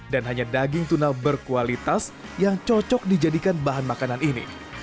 dan hanya daging tuna berkualitas yang cocok dijadikan bahan makanan ini